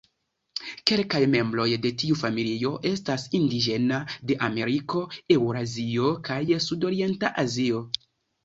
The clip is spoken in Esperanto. Kelkaj membroj de tiu familio estas indiĝena de Ameriko, Eŭrazio, kaj Sudorienta Azio.